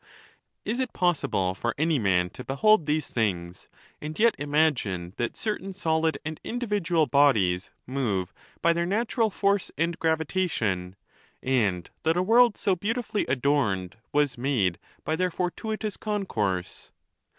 „ XXXVII. Is it possible for any man to behold these things, and yet imagine that certain solid and individual bodies move by their natural force and gravitation, and that a world so beautifully adorned was made by their fortuitous concourse?